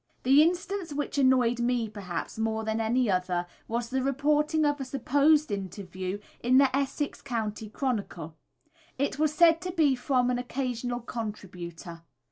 The instance which annoyed me, perhaps, more than any other was the reporting of a supposed interview in the Essex County Chronicle. It was said to be from "an occasional contributor."